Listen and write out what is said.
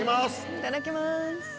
いただきます。